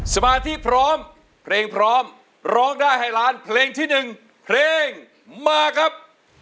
สมาธิพร้อมเพลงพร้อมร้องได้ให้ล้านเพลงที่๑เพลงมาครับ